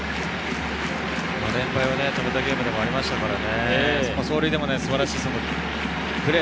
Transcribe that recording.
連敗を止めたゲームでもありましたからね。